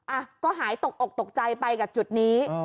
อ่ะก็หายตกอกตกใจไปกับจุดนี้